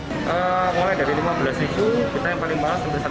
mulai dari lima belas ribu kita yang paling mahal seribu satu ratus tiga puluh ribu